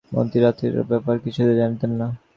মন্ত্রী রাত্রির ব্যাপার কিছুই জানিতেন না।